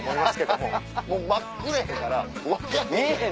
もう真っ暗やから分かれへん。